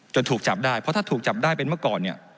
ถูกจับได้เพราะถ้าถูกจับได้เป็นเมื่อก่อนเนี่ย